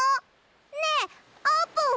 ねえあーぷんは？